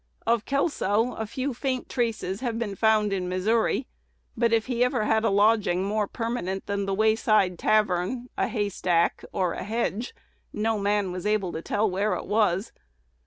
Of Kelso a few faint traces have been found in Missouri; but if he ever had a lodging more permanent than the wayside tavern, a haystack, or a hedge, no man was able to tell where it was.